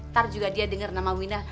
ntar juga dia dengar nama wina